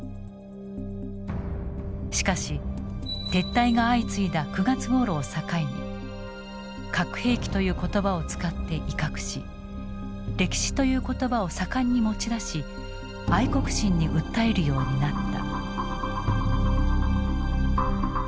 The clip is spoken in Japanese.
しかし撤退が相次いだ９月ごろを境に「核兵器」という言葉を使って威嚇し「歴史」という言葉を盛んに持ち出し愛国心に訴えるようになった。